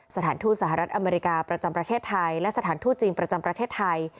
สถานทูตสหรัฐอเมริกาประจำประเทศไทยและสถานทูตจีนประจำประเทศไทย